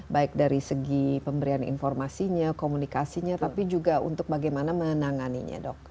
baik dari segi pemberian informasinya komunikasinya tapi juga untuk bagaimana menanganinya dok